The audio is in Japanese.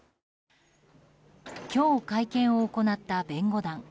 今日、会見を行った弁護団。